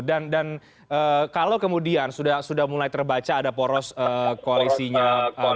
dan kalau kemudian sudah mulai terbaca ada poros koalisinya golkar